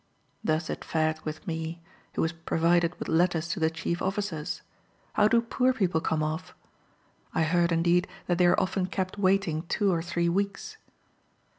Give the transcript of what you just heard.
Thus it fared with me, who was provided with letters to the chief officers, how do poor people come off? I heard, indeed, that they are often kept waiting two or three weeks.